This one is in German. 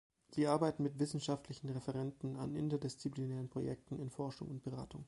Sie arbeiten mit wissenschaftlichen Referenten an interdisziplinären Projekten in Forschung und Beratung.